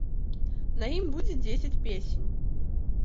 На ім будзе дзесяць песень.